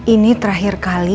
ini terakhir kali